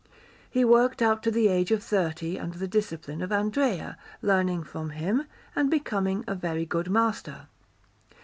He worked up to the age of thirty under the discipline of Andrea, learning from him, and became a very good master.